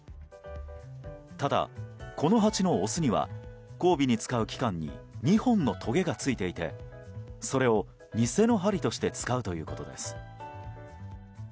ただ、このハチのオスには交尾に使う器官に２本のとげがついていてそれを偽の針として使うということです。